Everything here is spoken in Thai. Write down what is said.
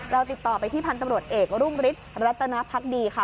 ติดต่อไปที่พันธุ์ตำรวจเอกรุ่งฤทธิ์รัตนภักดีค่ะ